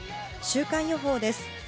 週間予報です。